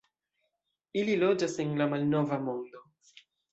Ili loĝas en la Malnova Mondo.